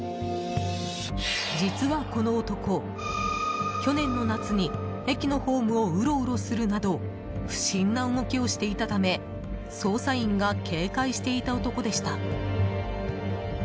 実はこの男、去年の夏に駅のホームをウロウロするなど不審な動きをしていたため捜査員が警戒していた男でした。